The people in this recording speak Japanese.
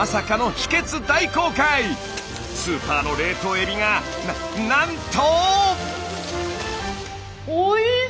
スーパーの冷凍エビがななんと！